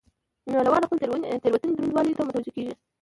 نو له واره د خپلې تېروتنې درونوالي ته متوجه کېږو.